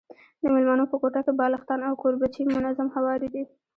د مېلمنو په کوټه کي بالښتان او کوربچې منظم هواري دي.